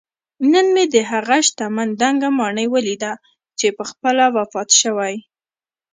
نن مې دهغه شتمن دنګه ماڼۍ ولیده چې پخپله وفات شوی